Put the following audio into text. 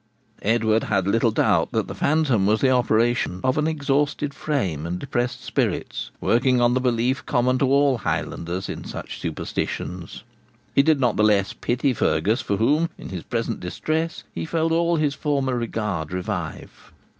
Edward had little doubt that this phantom was the operation of an exhausted frame and depressed spirits, working on the belief common to all Highlanders in such superstitions. He did not the less pity Fergus, for whom, in his present distress, he felt all his former regard revive.